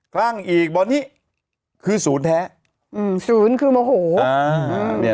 คลั่งอีกบอลนี้คือศูนย์แท้อืมศูนย์คือโมโหอ่าเนี่ย